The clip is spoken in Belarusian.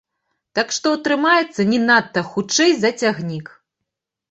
Так што атрымаецца не надта хутчэй за цягнік.